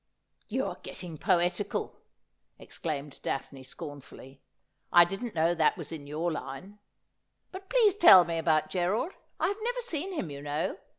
' You are getting poetical,' exclaimed Daphne scornfully ;' I didn't know that was in your line. But please tell me about Gerald. I have never seen him, you know.